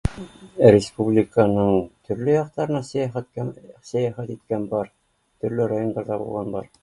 Республиканың төрлө яҡтарына сәйәхәт иткән, сәйәхәт иткән бар, төрлө райондарҙа булған бар